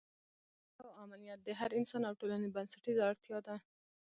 سوله او امنیت د هر انسان او ټولنې بنسټیزه اړتیا ده.